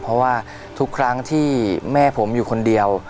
เพราะว่าทุกครั้งที่แม่ผมอยู่คนเดียว